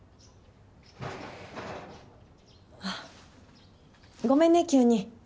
あっごめんね急に。